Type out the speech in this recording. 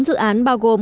bốn dự án bao gồm